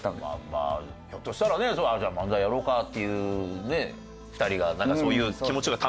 まあひょっとしたらねじゃあ漫才やろうかっていう２人がなんかそういう気持ちが高まれば。